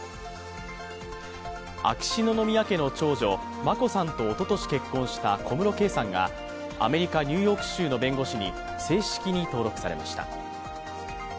秋篠宮家の長女・眞子さんとおととし結婚した小室圭さんがアメリカ・ニューヨーク州の弁護士に正式に登録されました。